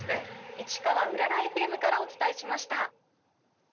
市川うららＦＭからお伝えしました。